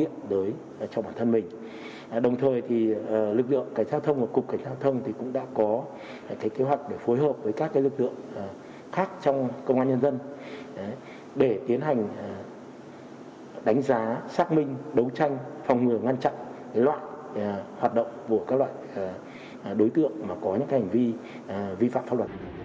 cục cảnh sát giao thông và cục cảnh sát giao thông đã có kế hoạch phối hợp với các lực lượng khác trong công an nhân dân để tiến hành đánh giá xác minh đấu tranh phòng ngừa ngăn chặn loại hoạt động của các loại đối tượng có những hành vi vi phạm pháp luật